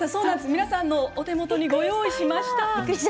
皆さんのお手元にご用意しました。